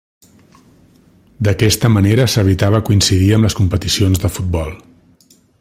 D'aquesta manera s'evitava coincidir amb les competicions de futbol.